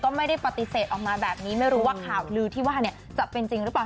ก็ไม่ได้ปฏิเสธออกมาแบบนี้ไม่รู้ว่าข่าวลือที่ว่าเนี่ยจะเป็นจริงหรือเปล่า